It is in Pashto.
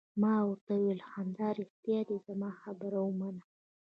ما ورته وویل: همدارښتیا دي، زما خبره ومنه.